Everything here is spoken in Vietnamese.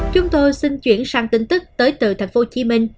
chúng tôi xin chuyển sang tin tức tới từ tp hcm